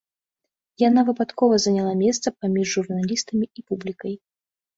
Яна выпадкова заняла месца паміж журналістамі і публікай.